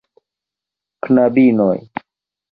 Knabinoj!